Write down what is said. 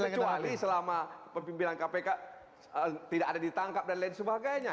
kecuali selama pemimpinan kpk tidak ada ditangkap dan lain sebagainya